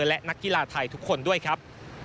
และนักกีฬาไทยทุกคนด้วยครับ